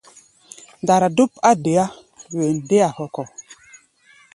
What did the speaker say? Ndara dóp á deá wen déá hɔkɔ.